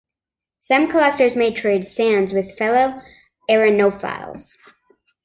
Some collectors may trade sands with fellow arenophiles.